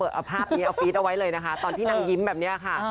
เอาภาพนี้เอาฟีดเอาไว้เลยนะคะตอนที่นางยิ้มแบบนี้ค่ะ